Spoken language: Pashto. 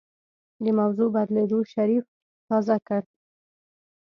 د موضوع بدلېدو شريف تازه کړ.